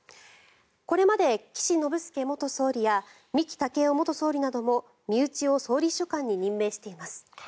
これまで岸信介元総理や三木武夫元総理なども身内を総理秘書官に任命しています。